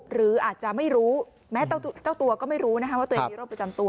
หรืออาจจะไม่รู้แม้เจ้าตัวก็ไม่รู้นะคะว่าตัวเองมีโรคประจำตัว